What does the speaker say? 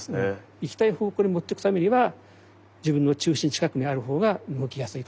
行きたい方向にもってくためには自分の中心近くにあるほうが動きやすいと。